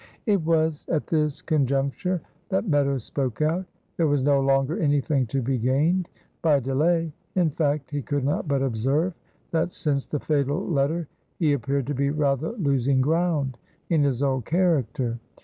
It was at this conjuncture that Meadows spoke out. There was no longer anything to be gained by delay. In fact, he could not but observe that since the fatal letter he appeared to be rather losing ground in his old character.